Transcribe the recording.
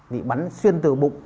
bị bắn xuyên từ bụng